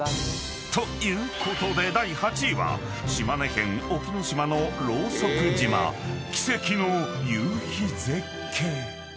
［ということで第８位は島根県隠岐の島のローソク島奇跡の夕日絶景］